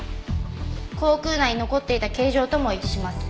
口腔内に残っていた形状とも一致します。